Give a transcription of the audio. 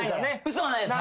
嘘はないです。